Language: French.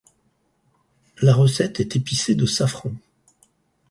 La recette est épicée de safran.